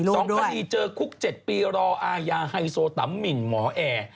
๒คดีเจอคุก๗ปีรออาญาไฮโซตัมหมอแอร์